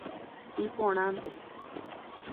Iporãnte.